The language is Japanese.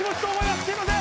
すいません